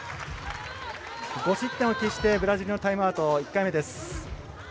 ５失点を喫してブラジルのタイムアウト１回目です。